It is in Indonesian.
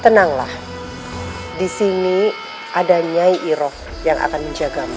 tenanglah disini ada nyai iroh yang akan menjagamu